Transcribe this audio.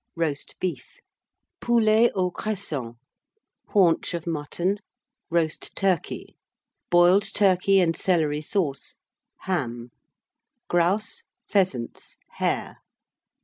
Roast Beef. Poulets aux Cressons. Haunch of Mutton. Roast Turkey. Boiled Turkey and Celery Sauce. Ham. Grouse. Pheasants. Hare.